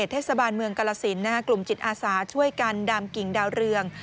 เทศบาลเมืองกาลสินกลุ่มจิตอาสาช่วยกันดำกิ่งดาวเรือง